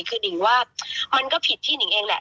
คือนิ่งว่ามันก็ผิดที่หนิงเองแหละ